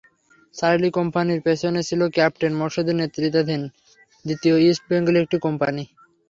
Charlie কোম্পানির পেছনে ছিল ক্যাপ্টেন মোরশেদের নেতৃত্বাধীন দ্বিতীয় ইস্ট বেঙ্গলের একটি কোম্পানি।